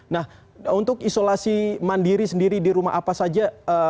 nah untuk isolasi mandiri sendiri di rumah apa saja